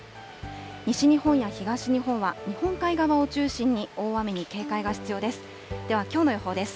西日本や東日本は、日本海側を中心に大雨に警戒が必要です。